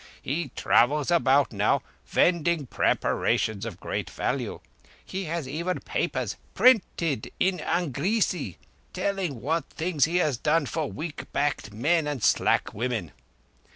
He travels about now, vending preparations of great value. He has even papers, printed in Angrezi, telling what things he has done for weak backed men and slack women.